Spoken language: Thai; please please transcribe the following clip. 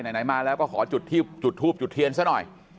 ไหนมาแล้วก็ขอจุดทูบจุดเทียนซะหน่อย